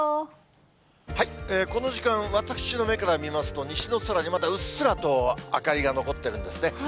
この時間、私の目から見ますと、西の空にまだうっすらと明かりが残ってるんですね。